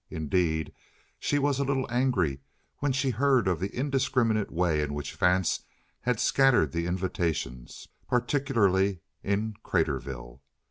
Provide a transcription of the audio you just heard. Indeed, she was a little angry when she heard of the indiscriminate way in which Vance had scattered the invitations, particularly in Craterville.